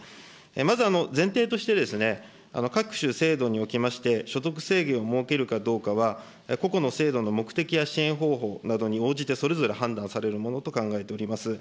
まず前提として、各種制度におきましては、所得制限を設けるかどうかは、個々の制度の目的や支援方法などに応じてそれぞれ判断されるものと考えております。